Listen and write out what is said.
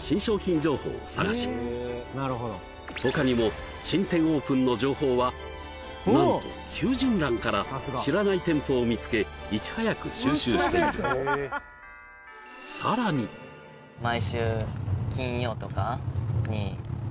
他にも新店オープンの情報はなんと求人欄から知らない店舗を見つけいち早く収集しているはい大佐古さんって人？